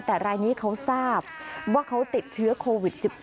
แต่รายนี้เขาทราบว่าเขาติดเชื้อโควิด๑๙